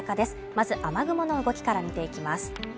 まず、雨雲の動きから見ていきます。